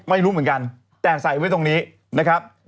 ไม่รู้เหมือนกันแต่ใส่ไว้ตรงนี้นะครับ